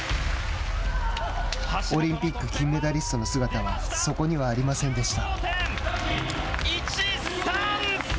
オリンピック金メダリストの姿はそこにはありませんでした。